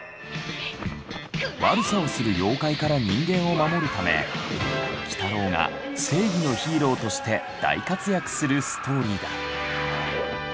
悪さをする妖怪から人間を守るため鬼太郎が正義のヒーローとして大活躍するストーリーだ。